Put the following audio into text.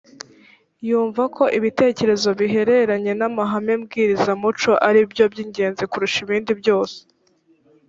wumva ko ibitekerezo bihereranye n’amahame mbwirizamuco ari byo by’ingenzi kurusha ibindi byose